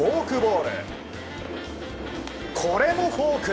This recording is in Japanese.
これもフォーク！